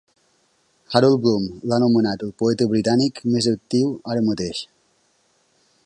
Harold Bloom l'ha anomenat el poeta britànic més actiu ara mateix.